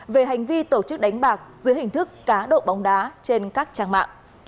về hành vi tổ chức đánh bạc dưới hình thức cá độ bóng đá trên các trang mạng